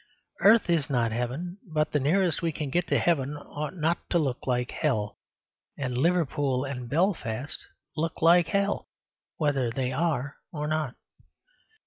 Earth is not heaven, but the nearest we can get to heaven ought not to look like hell; and Liverpool and Belfast look like hell, whether they are or not.